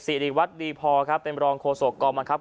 สิริวัฒน์รีพอร์เป็นรองโฆษกรมันครับ